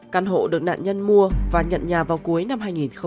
căn hộ được nạn nhân mua và nhận nhà vào cuối năm hai nghìn hai mươi một